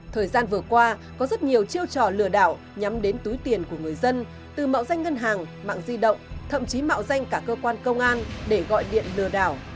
thời gian vừa qua có rất nhiều chiêu trò lừa đảo nhắm đến túi tiền của người dân từ mạo danh ngân hàng mạng di động thậm chí mạo danh cả cơ quan công an để gọi điện lừa đảo